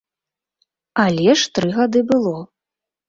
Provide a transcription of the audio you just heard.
Але ж тры гады было.